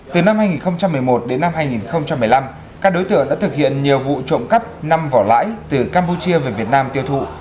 từ năm hai nghìn một mươi một đến năm hai nghìn một mươi năm các đối tượng đã thực hiện nhiều vụ trộm cắp năm vỏ lãi từ campuchia về việt nam tiêu thụ